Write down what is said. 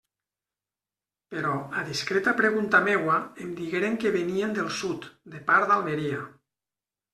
Però, a discreta pregunta meua, em digueren que venien del sud, de part d'Almeria.